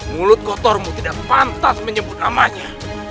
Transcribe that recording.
mulut kotormu tidak pantas menyebut namanya